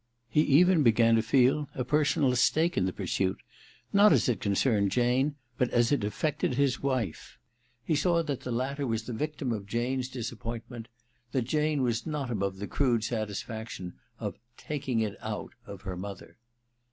He even began to feel a personal stake in the pursuit, not as it concerned Jane but as it afiected his wife. He saw that the latter was the victim of Jane's disappointment : that Jane was not above the crude satisfaction of * taking it out ' of her mother.